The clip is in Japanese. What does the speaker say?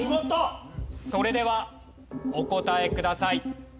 それではお答えください。